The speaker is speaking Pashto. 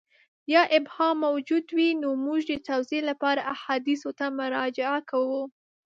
یا ابهام موجود وي نو موږ د توضیح لپاره احادیثو ته مراجعه کوو.